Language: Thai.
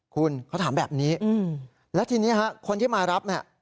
คุณเขาถามแบบนี้แล้วทีนี้ฮะคนที่มารับเนี่ย